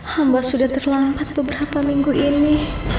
hamba sudah terlambat beberapa minggu ini